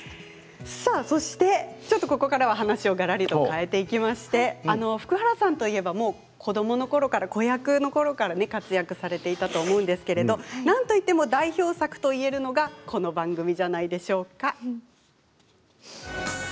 そして、ここからは話をがらりと変えていきまして福原さんといえばもう子どものころから子役のころから活躍されていたと思うんですけど、なんといっても代表作といえるのがこの番組じゃないでしょうか。